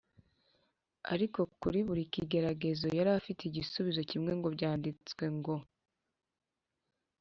Ariko kuri buri kigeragezo yari afite igisubizo kimwe ngo, “Byanditswe ngo.